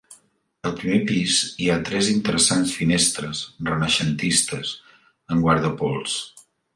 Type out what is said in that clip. Al primer pis hi ha tres interessants finestres renaixentistes amb guardapols.